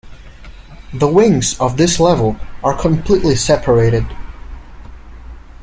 The wings of this level are completely separated.